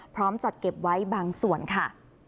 พร้อมจัดเก็บไว้บางส่วนค่ะ